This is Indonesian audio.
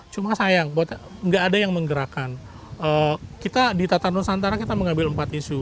cuma sayang nggak ada yang menggerakkan kita di tatanan nusantara kita mengambil empat isu